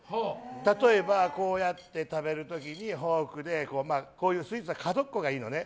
例えば、こうやって食べる時にフォークで、こういうスイーツは角っこがいいのね。